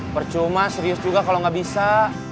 percuma serius juga kalau nggak bisa